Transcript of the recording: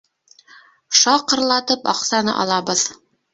Шаҡырлатып аҡсаны алабыҙ!